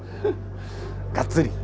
がっつり。